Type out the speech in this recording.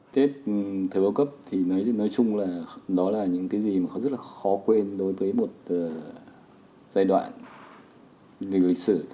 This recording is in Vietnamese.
tết thời bao cấp thì nói chung là đó là những cái gì mà rất là khó quên đối với một giai đoạn lịch sử